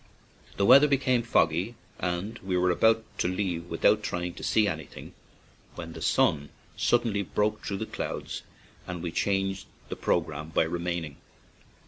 The weather became fog gy, and we were about to leave without trying to see anything, when the sun sud denly broke through the clouds and we changed the programme by remaining.